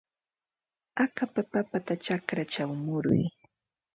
Akapa papata chakrachaw muruy.